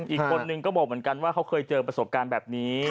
อีกคนนึงก็บอกเหมือนกันว่าเขาเคยเจอประสบการณ์แบบนี้